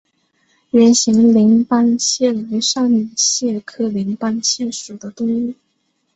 圆形鳞斑蟹为扇蟹科鳞斑蟹属的动物。